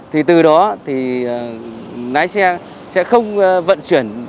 thì từ đó lái xe sẽ không vận chuyển